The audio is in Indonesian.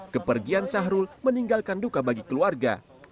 kepergian syahrul meninggalkan duka bagi keluarga